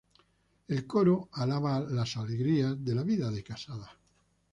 El coro alaba las alegrías de la vida de casada.